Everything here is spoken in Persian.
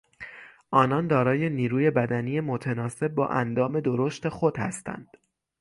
آنان دارای نیروی بدنی متناسب با اندام درشت خود هستند.